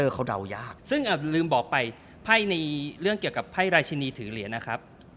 เขาเดายากซึ่งลืมบอกไปไพ่ในเรื่องเกี่ยวกับไพ่ราชินีถือเหรียญนะครับ